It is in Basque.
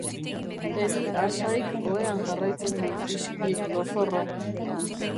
Eri Asaik ohean jarraitzen du isilik lozorro.